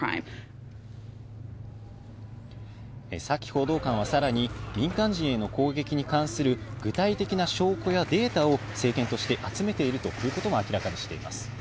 サキ報道官はさらに、民間人への攻撃に関する具体的な証拠やデータを政権として集めているということも明らかにしています。